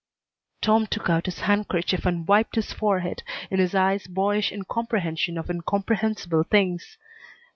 Tom took out his handkerchief and wiped his forehead, in his eyes boyish incomprehension of incomprehensible things.